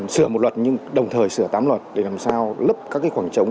sửa một luật nhưng đồng thời sửa tám luật để làm sao lấp các khoảng trống